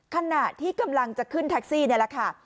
ขณะที่กำลังจะขึ้นแท็กซี่นี่แหละค่ะ